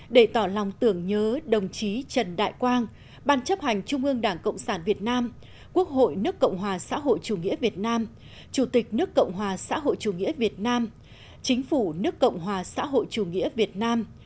để tỏ lòng tưởng nhớ đồng chí trần đại quang ban chấp hành trung ương đảng cộng sản việt nam quốc hội nước cộng hòa xã hội chủ nghĩa việt nam chủ tịch nước cộng hòa xã hội chủ nghĩa việt nam chính phủ nước cộng hòa xã hội chủ nghĩa việt nam